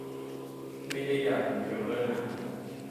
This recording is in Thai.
ไม่ได้อยากดูเทรลเลอร์หนัง